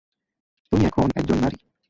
তুমি এখন একজন নারী।